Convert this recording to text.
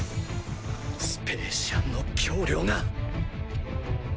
スペーシアンの狭量が。